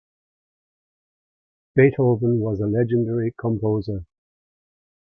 Beethoven was a legendary composer.